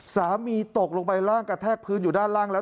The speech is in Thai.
ตกลงไปร่างกระแทกพื้นอยู่ด้านล่างแล้ว